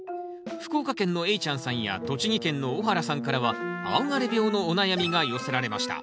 福岡県のえいちゃんさんや栃木県の小原さんからは青枯病のお悩みが寄せられました。